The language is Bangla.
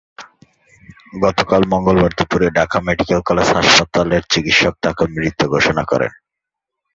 গতকাল মঙ্গলবার দুপুরে ঢাকা মেডিকেল কলেজ হাসপাতালের চিকিৎসক তাকে মৃত ঘোষণা করেন।